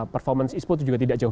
performance isput itu juga tidak jauh